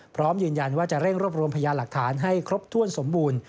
พร้อมยืนยันว่าจะเร่งรวบรวมพยานหลักฐานให้ครบถ้วนสมบูรณ์